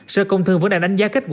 sở công thương vẫn đang đánh giá kết quả